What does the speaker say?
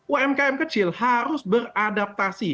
umkm kecil harus beradaptasi